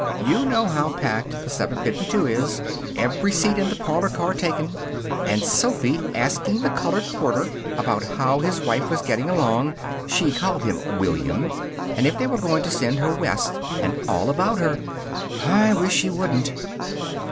You know how packed the seven fifty two is. Every seat in the parlor car taken. And Sophy asking the colored porter about how his wife was getting along she called him William and if they were going to send her West, and all about her. I wish she wouldn't."